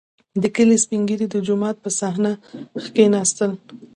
• د کلي سپین ږیري د جومات په صحنه کښېناستل.